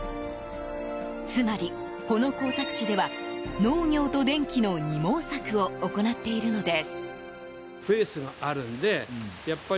つまり、この耕作地では農業と電気の二毛作を行っているのです。